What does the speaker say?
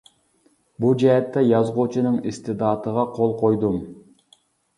بۇ جەھەتتە يازغۇچىنىڭ ئىستېداتىغا قول قويدۇم.